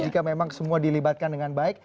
jika memang semua dilibatkan dengan baik